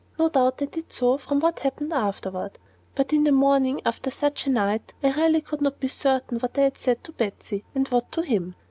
No doubt I did so, from what happened afterward; but in the morning, after such a night, I really could not be certain what I had said to Betsy, and what to him.